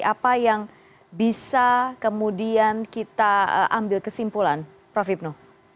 apa yang bisa kemudian kita ambil kesimpulan prof ibnu